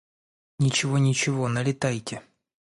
— Ничего, ничего, налейте.